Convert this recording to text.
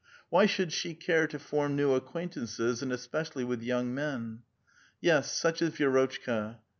Why should she care to form new acquaintances, and especially with young men? Yes, such is Vi6rotchka.